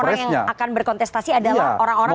orang yang akan berkontestasi adalah orang orang